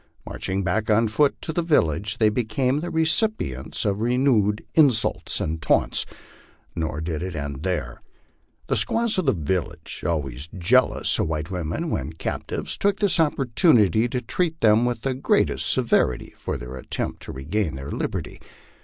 Marching back on foot to the village, they became the recipients of renewed insults and taunts. Nor did it end here. The squaws of the village, always jealous of white women 252 MY LIFE ON THE PLAINS. when captives, took this opportunity to treat them with the greatest severity for their attempt to regain their liberty.